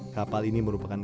kapal ini merupakan